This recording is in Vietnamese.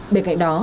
bên cạnh đó